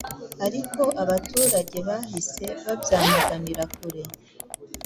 ariko abaturage bahise babyamaganira kure